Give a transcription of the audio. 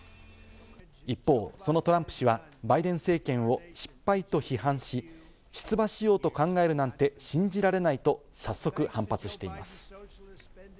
一方、そのトランプ氏はバイデン政権を失敗と批判し、出馬しようと考えるなんて信じられないと早速、反発しています。